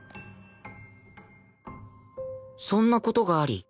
そんな事があり